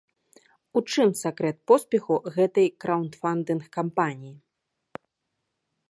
У чым сакрэт поспеху гэтай краўдфандынг-кампаніі?